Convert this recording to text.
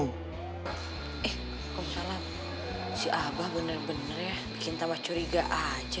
eh kok misalnya si abah bener bener ya bikin tambah curiga aja